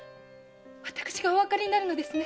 私がおわかりになるのですね？